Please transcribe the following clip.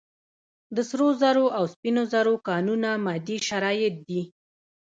د سرو زرو او سپینو زرو کانونه مادي شرایط دي.